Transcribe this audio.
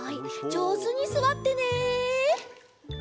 じょうずにすわってね！